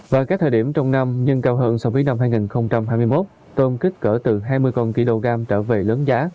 vào các thời điểm trong năm nhưng cao hơn so với năm hai nghìn hai mươi một tôm kích cỡ từ hai mươi con kg trở về lớn giá